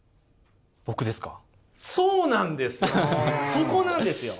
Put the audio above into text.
そこなんですよ！